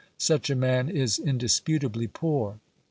Such a man is indisputably poor.